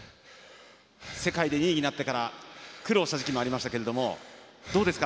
世界で２位になってから苦労した時期もありましたけどどうですか